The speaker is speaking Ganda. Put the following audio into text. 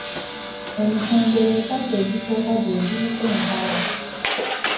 Emitendera esatu egisooka gye giriko enkalu.